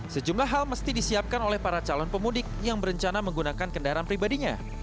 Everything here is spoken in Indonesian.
sejumlah hal mesti disiapkan oleh para calon pemudik yang berencana menggunakan kendaraan pribadinya